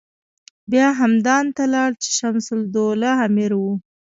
بیا همدان ته لاړ چې شمس الدوله امیر و.